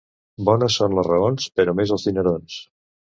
Bones són les raons, però més els dinerons.